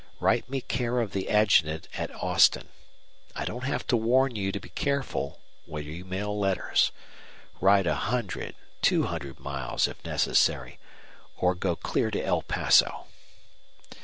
Write me care of the adjutant at Austin. I don't have to warn you to be careful where you mail letters. Ride a hundred, two hundred miles, if necessary, or go clear to El Paso."